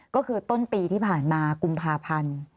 ก็คือต้นปีที่ผ่านมากุมภาพันธ์